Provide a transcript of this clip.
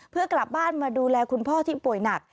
เพื่อกลับบ้านมาดูแลคุณพ่อที่ป่วยหนัก